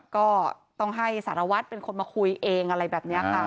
ก็ต้องให้สารวัตรเป็นคนมาคุยเองอะไรแบบนี้ค่ะ